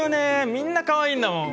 みんなかわいいんだもん。